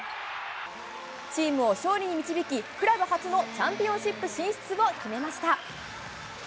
チームを勝利に導き、クラブ初のチャンピオンシップ進出を決めました。